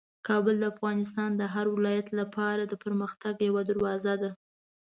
کابل د افغانستان د هر ولایت لپاره د پرمختګ یوه دروازه ده.